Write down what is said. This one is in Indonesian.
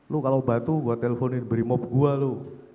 lu kalau batu gua telponin brimob gua lu